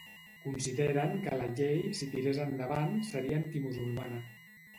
Consideren que la llei, si tirés endavant, seria antimusulmana.